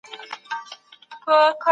هغې د کار دوامداره فشار تجربه کړی.